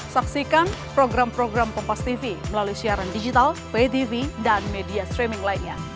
saksikan program program kompas tv melalui siaran digital pay tv dan media streaming lainnya